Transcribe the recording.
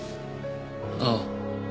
ああ。